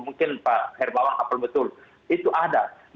mungkin pak herbawan apel betul itu ada